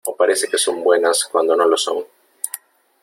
o parece que son buenas cuando no lo son .